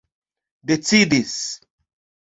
decidis